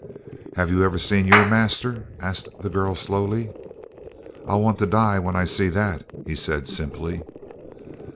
"Have you ever seen your master?" asked the girl slowly. "I'll want to die when I see that," he said simply.